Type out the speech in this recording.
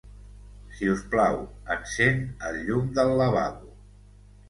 Si us plau, encén el llum del lavabo.